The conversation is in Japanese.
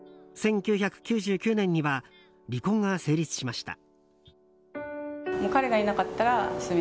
１９９９年には離婚が成立しました。